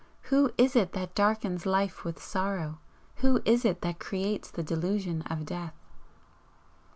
Who is it that darkens life with sorrow? who is it that creates the delusion of death?"